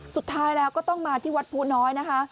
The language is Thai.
สุดท้ายแล้วก็ต้องมาที่วัดภูน้อยนะคะ